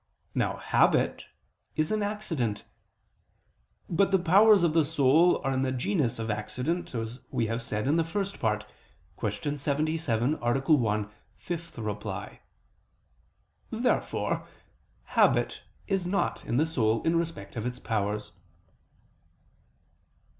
Now habit is an accident. But the powers of the soul are in the genus of accident, as we have said in the First Part (Q. 77, A. 1, ad 5). Therefore habit is not in the soul in respect of its powers.